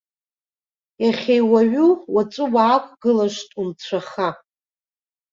Иахьа иуаҩу, уаҵәы уаақәгылашт унцәаха.